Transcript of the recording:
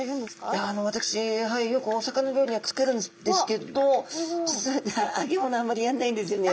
いやあの私はいよくお魚料理は作るんですけど実は揚げ物はあんまりやんないんですよね